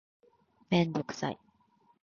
めんどくさい